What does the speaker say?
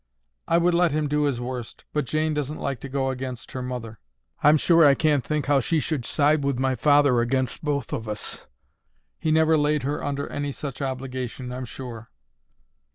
"I would let him do his worst. But Jane doesn't like to go against her mother. I'm sure I can't think how she should side with my father against both of us. He never laid her under any such obligation, I'm sure."